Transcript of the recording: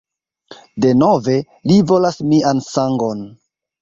Denove, li volas mian sangon!